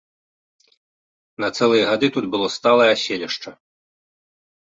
На цэлыя гады тут было сталае аселішча.